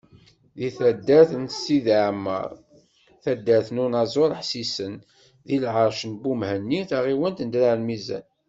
Deg taddart n Tizi Ɛammer, taddart n unaẓur Ḥsisen, deg lɛerc n Bumahni taɣiwant n Draɛ Lmizan.